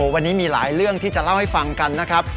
วันนี้มีหลายเรื่องที่จะเล่าให้ฟังกันนะครับ